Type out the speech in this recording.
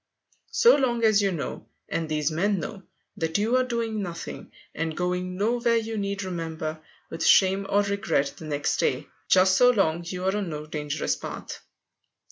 So long as you know, and these men know, that you are doing nothing and going nowhere you need remember with shame or regret, the next day, just so long you are on no dangerous path.